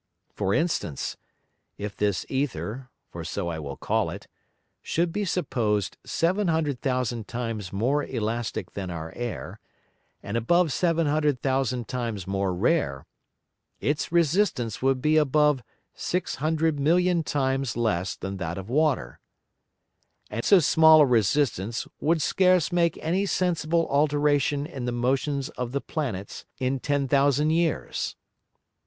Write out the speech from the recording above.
For instance; If this Æther (for so I will call it) should be supposed 700000 times more elastick than our Air, and above 700000 times more rare; its resistance would be above 600,000,000 times less than that of Water. And so small a resistance would scarce make any sensible alteration in the Motions of the Planets in ten thousand Years.